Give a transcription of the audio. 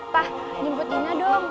pak jemput dina dong